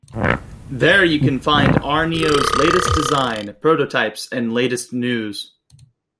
There you can find Aarnio's latest design, prototypes and latest news.